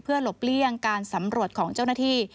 หลบเลี่ยงการสำรวจของเจ้าหน้าที่